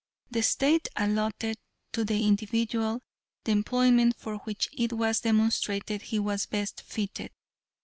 The State allotted to the individual the employment for which it was demonstrated he was best fitted.